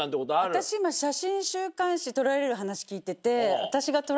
私今写真週刊誌撮られる話聞いてて。